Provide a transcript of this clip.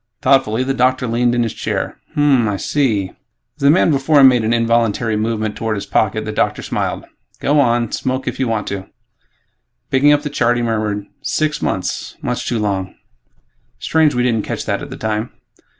Thoughtfully, the doctor leaned back in his chair, "Hm m m ... I see." As the man before him made an involuntary movement toward his pocket, the doctor smiled, "Go on, smoke if you want to." Picking up the chart, he murmured, "Six months ... much too long. Strange we didn't catch that at the time."